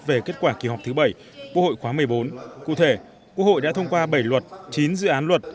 về kết quả kỳ họp thứ bảy quốc hội khóa một mươi bốn cụ thể quốc hội đã thông qua bảy luật chín dự án luật